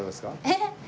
えっ？